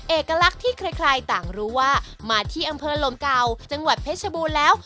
เอกลักษณ์ที่ใครต่างรู้ว่ามาที่อำเภอลมเก่าจังหวัดเพชรบูรณ์แล้ว